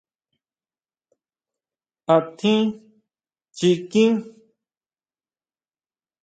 ¿Átjín chikín?